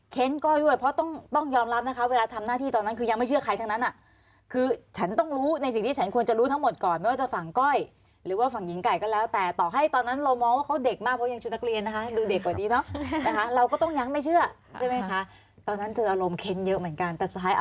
ก้อยด้วยเพราะต้องยอมรับนะคะเวลาทำหน้าที่ตอนนั้นคือยังไม่เชื่อใครทั้งนั้นอ่ะคือฉันต้องรู้ในสิ่งที่ฉันควรจะรู้ทั้งหมดก่อนไม่ว่าจะฝั่งก้อยหรือว่าฝั่งหญิงไก่ก็แล้วแต่ต่อให้ตอนนั้นเรามองว่าเขาเด็กมากเพราะยังชุดนักเรียนนะคะดูเด็กกว่านี้เนอะนะคะเราก็ต้องยังไม่เชื่อใช่ไหมคะตอนนั้นเจออารมณ์เค้นเยอะเหมือนกันแต่สุดท้ายเอา